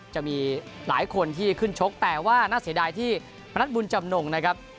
จะมีหลายคนที่ขึ้นชกแต่ว่าน่าเสียดายที่มณัฐบุญจำนงนะครับ